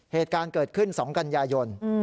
เหตุการณ์เกิดขึ้น๒กันยายน